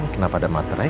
kenapa ada materainya